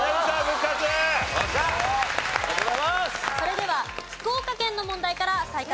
それでは福岡県の問題から再開です。